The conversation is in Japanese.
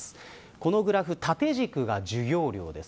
このグラフ、縦軸が授業料です。